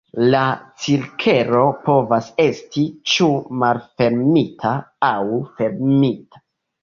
La cirklo povas esti ĉu malfermita aŭ fermita.